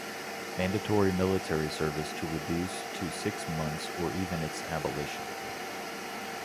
Mandatory military service to reduce to six months or even its abolition.